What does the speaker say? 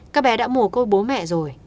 các bé đã mùa côi bố mẹ rồi